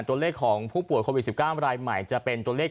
ตรงเลขของคนวิทย์สิบเก้าลายใหม่จะเป็นตัวเลข